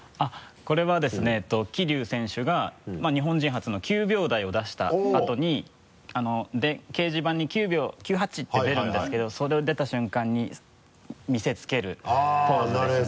これはですね桐生選手が日本人初の９秒台を出したあとに掲示板に「９秒９８」って出るんですけどそれを出た瞬間に見せつけるポーズですね。